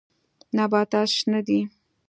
نباتات شنه دي.